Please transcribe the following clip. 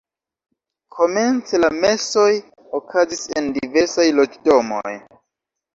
Komence la mesoj okazis en diversaj loĝdomoj.